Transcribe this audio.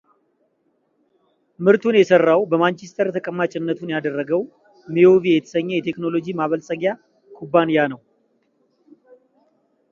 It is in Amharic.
ምርቱን የሠራው በማንችስተር ተቀማጭነቱን ያደረገው ምዮቪ የተሰኘ የቴክኖሎጂ ማበልጸጊያ ኩባንያ ነው።